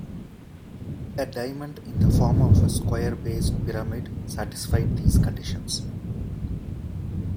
A diamond in the form of a square-based pyramid satisfied these conditions.